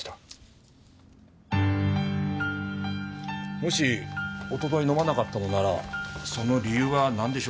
もし一昨日飲まなかったのならその理由はなんでしょうか？